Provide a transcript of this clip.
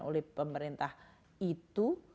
oleh pemerintah itu